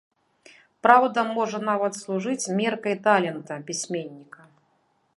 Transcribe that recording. Праўда можа нават служыць меркай талента пісьменніка.